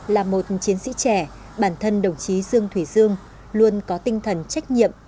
là một chiến sĩ trẻ bản thân đồng chí dương thủy dương luôn có tinh thần trách nhiệm